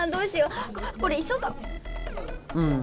うん。